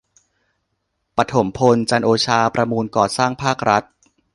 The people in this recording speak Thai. ปฐมพล จันทร์โอชา ประมูลก่อสร้างภาครัฐ